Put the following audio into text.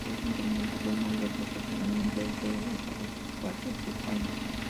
Este incremento fue el mayor proporcionalmente de todos los aeropuertos de España.